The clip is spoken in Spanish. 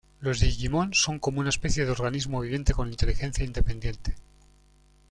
Los Digimon son como una especie de organismo viviente con inteligencia independiente.